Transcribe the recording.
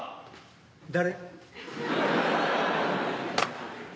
誰？